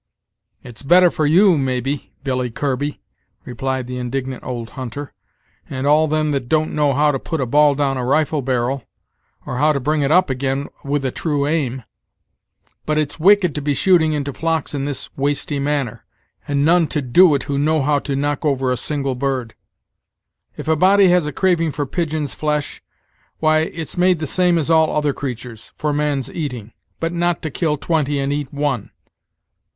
"It's better for you, maybe, Billy Kirby," replied the indignant old hunter, "and all them that don't know how to put a ball down a rifle barrel, or how to bring it up again with a true aim; but it's wicked to be shooting into flocks in this wasty manner, and none to do it who know how to knock over a single bird. If a body has a craving for pigeon's flesh, why, it's made the same as all other creatures, for man's eating; but not to kill twenty and eat one.